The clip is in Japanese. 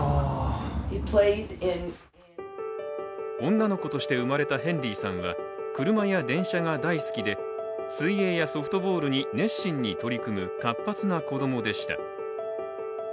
女の子として生まれたヘンリーさんは車や電車が大好きで、水泳やソフトボールに熱心に取り組む活発な子供でした。